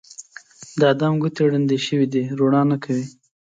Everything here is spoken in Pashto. د ادم ګوتې ړندې شوي دي روڼا نه کوي